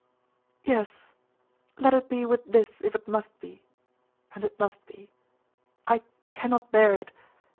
'Yes!.... Let it be with this, if it must be. And it must be. I cannot bear it!